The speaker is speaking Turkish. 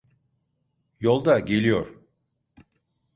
Yolda, geliyor.